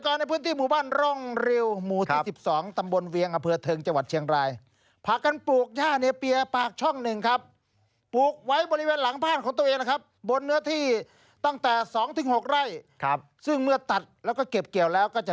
กับรำข้าวรำข้าวเสร็จปรับโอ้โหน่ากินมากน่ะน่ากินเลยละเดี๋ยว